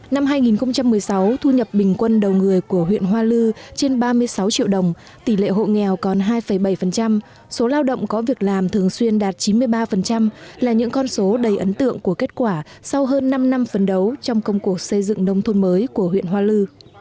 năm hai nghìn một mươi sáu thu nhập bình quân đầu người của huyện hoa lư trên ba mươi sáu triệu đồng tỷ lệ hộ nghèo còn hai bảy số lao động có việc làm thường xuyên đạt chín mươi ba là những con số đầy ấn tượng của kết quả sau hơn năm năm phấn đấu trong công cuộc xây dựng nông thôn mới của huyện hoa lư